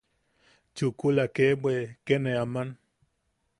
Chukula kee bwe... kee ne aman...